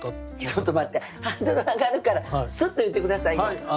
ちょっと待ってハードル上がるからスッと言って下さい。